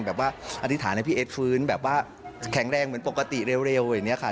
บอกว่าอธิษฐานให้พี่เอสฟื้นแบบว่าแข็งแรงเหมือนปกติเร็วอย่างนี้ค่ะ